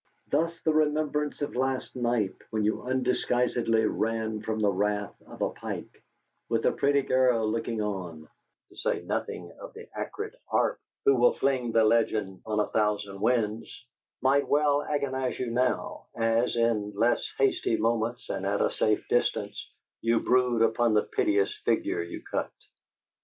Thus, the remembrance of last night, when you undisguisedly ran from the wrath of a Pike, with a pretty girl looking on (to say nothing of the acrid Arp, who will fling the legend on a thousand winds), might well agonize you now, as, in less hasty moments and at a safe distance, you brood upon the piteous figure you cut.